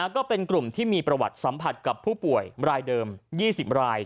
ก็เป็นกลุ่มที่มีประวัติสัมผัสกับผู้ป่วยรายเดิม๒๐ราย